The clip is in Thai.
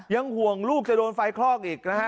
ยังห่วงลูกจะโดนไฟคลอกอีกนะฮะ